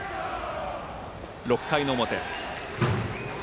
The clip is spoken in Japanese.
６回の表。